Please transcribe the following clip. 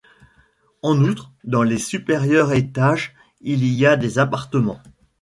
En outre, dans les supérieurs étages il y a des appartements.